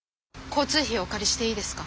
交通費お借りしていいですか？